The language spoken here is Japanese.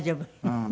うん。